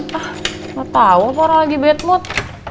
gak tau apa orang lagi bad mood